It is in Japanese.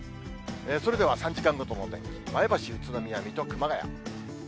それでは３時間ごとのお天気、前橋、宇都宮、水戸、熊谷。